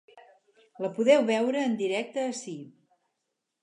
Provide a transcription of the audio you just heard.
La podeu veure en directe ací.